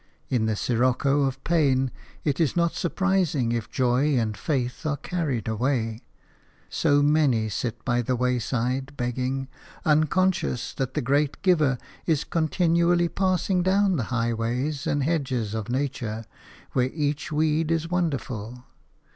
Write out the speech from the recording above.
In the sirocco of pain it is not surprising if joy and faith are carried away. So many sit by the wayside begging, unconscious that the great Giver is continually passing down the highways and hedges of nature, where each weed is wonderful.